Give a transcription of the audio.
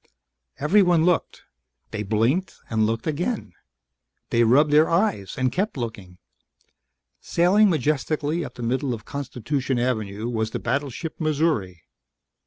Everyone looked. They blinked and looked again. They rubbed their eyes and kept looking. Sailing majestically up the middle of Constitution Avenue was the battleship Missouri.